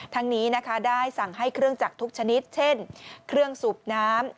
ทั้งนี้นะคะได้สั่งให้เครื่องจักรทุกชนิดเช่นเครื่องสูบน้ำ